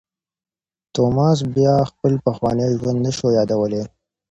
توماس بیا خپل پخوانی ژوند نه شو یادولای.